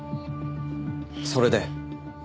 それで？